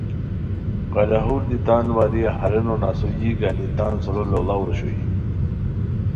قلاہور دی تان واریہ ہارینو نسو یی گانی تان سورو لوڑاؤ اوشوئے